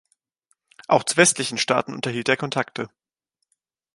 Auch zu westlichen Staaten unterhielt er Kontakte.